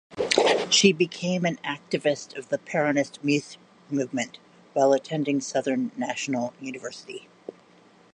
She became an activist of the Peronist Youth Movement while attending Southern National University.